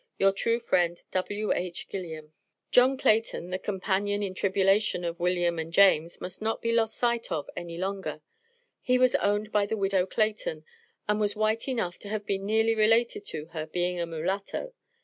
Your true friend, W.H. GILLIAM. John Clayton, the companion in tribulation of William and James, must not be lost sight of any longer. He was owned by the Widow Clayton, and was white enough to have been nearly related to her, being a mulatto.